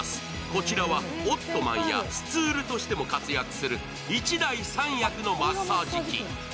こちらはオットマンやスツールとしても活躍する１台３役のマッサージ器。